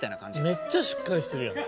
めっちゃしっかりしてるやん。